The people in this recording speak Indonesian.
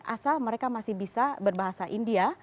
asal mereka masih bisa berbahasa india